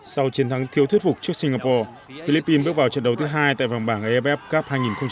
sau chiến thắng thiêu thuyết phục trước singapore philippines bước vào trận đấu thứ hai tại vòng bảng aff cup hai nghìn một mươi tám